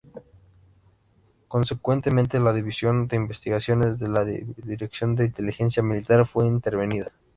Consecuentemente la División de Investigaciones de la Dirección de Inteligencia Militar fue intervenida.